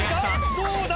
どうだ？